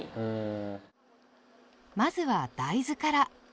まずは大豆から。